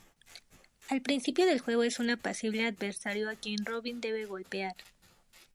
Al principio del juego es un apacible adversario a quien Robin debe golpear.